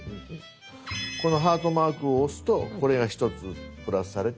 このハートマークを押すとこれが１つプラスされて。